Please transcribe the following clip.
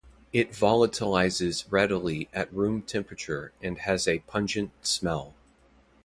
It volatilizes readily at room temperature and has a pungent smell.